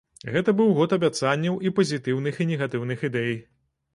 Гэта быў год абяцанняў і пазітыўных і негатыўных ідэй.